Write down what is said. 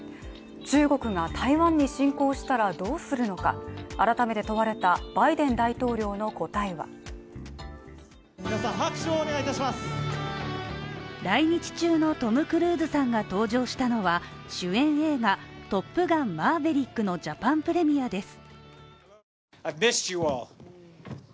中国が台湾に侵攻したらどうするのか、改めて問われたバイデン大統領の答えは来日中のトム・クルーズさんが登場したのは、主演映画「トップガンマーヴェリック」のジャパンプレミアです。